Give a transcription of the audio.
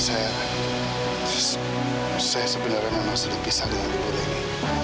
saya sebenarnya masih dipisah dengan bu leni